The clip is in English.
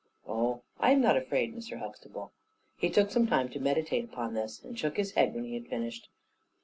"Oh, I am not afraid, Mr. Huxtable." He took some time to meditate upon this, and shook his head when he had finished.